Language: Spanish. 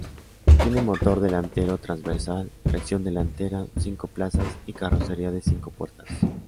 Tiene motor delantero transversal, tracción delantera, cinco plazas y carrocería de cinco puertas.